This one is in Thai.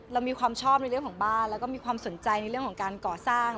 เรามีความชอบในเรื่องของบ้านแล้วก็มีความสนใจในเรื่องของการก่อสร้าง